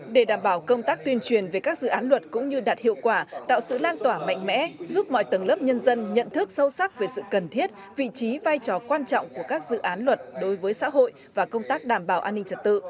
để đảm bảo công tác tuyên truyền về các dự án luật cũng như đạt hiệu quả tạo sự lan tỏa mạnh mẽ giúp mọi tầng lớp nhân dân nhận thức sâu sắc về sự cần thiết vị trí vai trò quan trọng của các dự án luật đối với xã hội và công tác đảm bảo an ninh trật tự